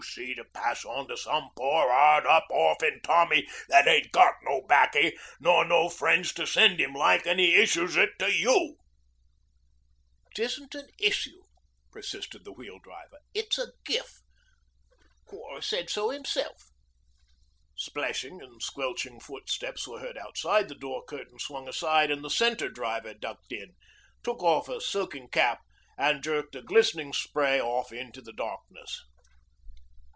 C. to pass on to some pore 'ard up orphin Tommy that ain't got no 'baccy nor no fren's to send 'im like, an' 'e issues it to you.' 'It ain't a issue,' persisted the Wheel Driver. 'It's a Gif. The Quarter sed so 'isself.' Splashing and squelching footsteps were heard outside, the door curtain swung aside, and the Centre Driver ducked in, took off a soaking cap, and jerked a glistening spray off it into the darkness.